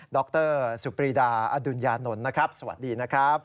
รสุปรีดาอดุญญานนท์นะครับสวัสดีนะครับ